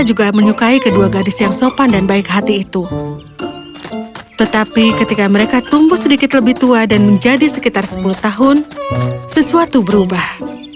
jadi ketika mereka tumbuh sedikit lebih tua dan menjadi sekitar sepuluh tahun sesuatu berubah